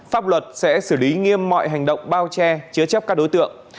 pháp luật sẽ xử lý nghiêm mọi hành động bao che chứa chấp các đối tượng